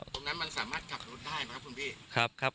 คุณพี่สามารถกลับรถได้ไหมครับคุณพี่